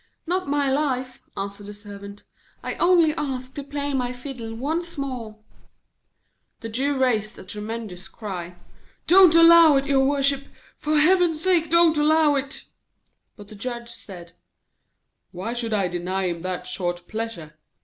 'Not my life,' answered the Servant. 'I only ask to play my fiddle once more.' [Illustration: Dancing as hard as he could.] The Jew raised a tremendous cry. 'Don't allow it, your worship, for heaven's sake, don't allow it!' But the Judge said: 'Why should I deny him that short pleasure?